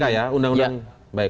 kita lihat undang undang kpk ya